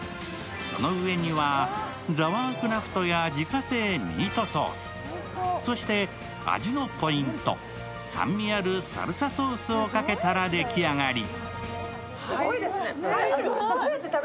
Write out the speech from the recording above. その上にはザワークラウトや自家製ミートソース、そして味のポイント、酸味あるサルサソースをかけたら出来上がり。